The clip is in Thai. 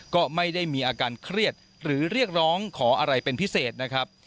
ก็ไม่ได้มีอาการเครียดหรือเรียกร้องขออะไรเป็นพิเศษนะครับ